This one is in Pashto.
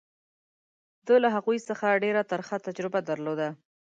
ده له هغوی څخه ډېره ترخه تجربه درلوده.